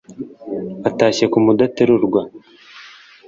atashye ku mudaterurwa,